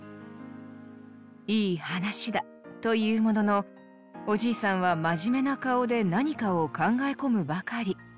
「いい話だ」と言うもののおじいさんは真面目な顔で何かを考え込むばかり。